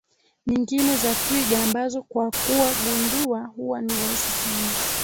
nyingine za twiga ambazo kwa kuwa gundua huwa ni rahisi sana